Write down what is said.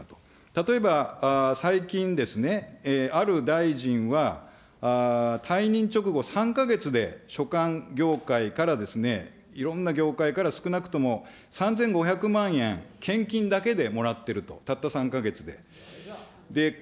例えば最近、ある大臣は、退任直後３か月で所管業界からいろんな業界から少なくとも３５００万円、献金だけでもらってると、たった３か月で。